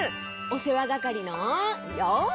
おせわがかりのようせい！